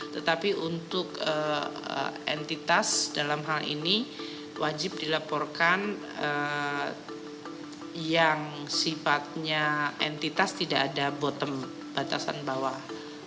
tetapi untuk entitas dalam hal ini wajib dilaporkan yang sifatnya entitas tidak ada bottom batasan bawah